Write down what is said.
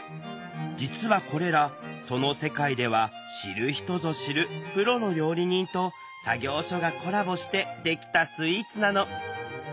実はこれらその世界では知る人ぞ知るプロの料理人と作業所がコラボしてできたスイーツなの。